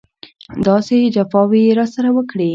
داسې جفاوې یې راسره وکړې.